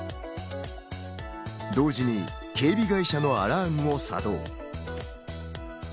同時に警備会社のアラームも作動。